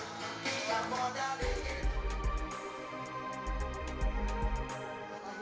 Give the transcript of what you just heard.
tidak mau dia mau dari kita